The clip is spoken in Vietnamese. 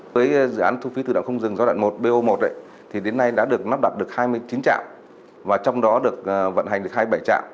với dự án thu phí thử đoạn không dừng giao đoạn một po một thì đến nay đã được lắp đặt được hai mươi chín trạm và trong đó được vận hành được hai mươi bảy trạm